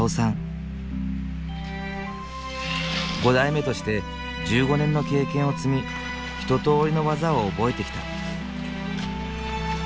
５代目として１５年の経験を積み一とおりの技を覚えてきた。